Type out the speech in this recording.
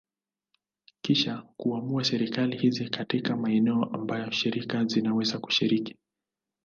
Kisha kuamua serikali hizi katika maeneo ambayo shirika zinaweza kushiriki.